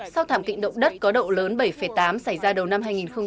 sau thảm kịch động đất có độ lớn bảy tám xảy ra đầu năm hai nghìn hai mươi hai